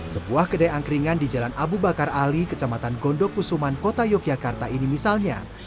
sebuah kedai angkringan di jalan abu bakar ali kecamatan gondok kusuman kota yogyakarta ini misalnya